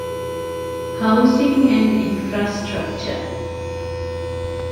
ހައުސިންގ އެންޑް އިންފްރާންސްޓްރަކްޗަރ